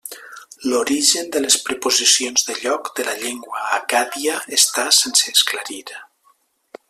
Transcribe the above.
L'origen de les preposicions de lloc de la llengua accàdia està sense esclarir.